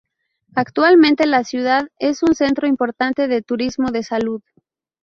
Actualmente la ciudad es un centro importante de turismo de salud.